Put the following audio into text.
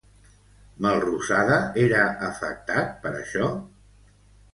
Melrosada era afectat per això?